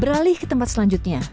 beralih ke tempat selanjutnya